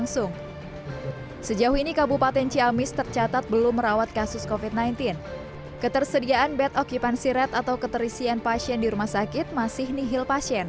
sebelum kerja dikawal